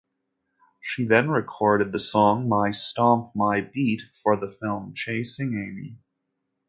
She then recorded the song "My Stomp, My Beat" for the film "Chasing Amy".